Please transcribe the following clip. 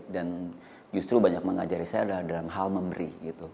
dan justru banyak mengajari saya adalah dalam hal memberi